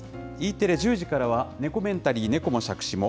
Ｅテレ１０時からは、ネコメンタリー猫も、杓子も。